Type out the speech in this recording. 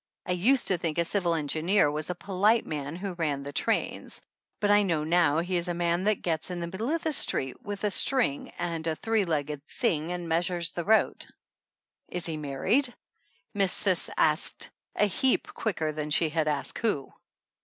I used to think a civil engineer was a polite man who ran the trains, but I know now he is a man that gets in the middle of the street with a string and a three legged thing and measures the road. "Is he married?" Miss Cis asked a heap quicker than she had asked who.